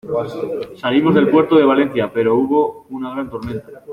salimos del puerto de Valencia, pero hubo una gran tormenta.